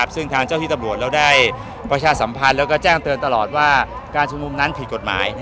ซึ่งทางเจ้าที่ตำรวจเราได้ประชาสัมพันธ์แล้วก็แจ้งเตือนตลอดว่าการชุมนุมนั้นผิดกฎหมาย